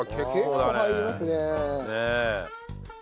結構入りますね。